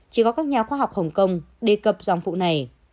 chỉ có các nhà khoa học hồng kông đề cập dòng phụ này